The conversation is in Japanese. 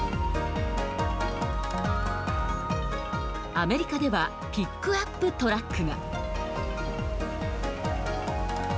アメリカではピックアップトラックが。